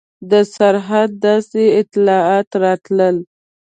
د سرحده داسې اطلاعات راتلل.